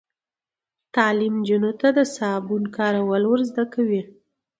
تعلیم نجونو ته د صابون کارول ور زده کوي.